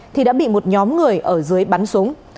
thì đã bị một nhóm người ở dưới bắn súng